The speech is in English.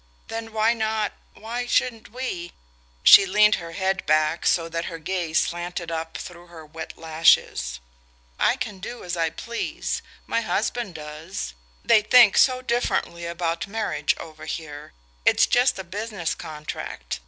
"Then why not why shouldn't we ?" She leaned her head back so that her gaze slanted up through her wet lashes. "I can do as I please my husband does. They think so differently about marriage over here: it's just a business contract.